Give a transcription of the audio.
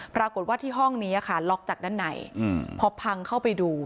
ปรากฏว่าที่ห้องนี้ค่ะล็อกจากด้านในพอพังเข้าไปดู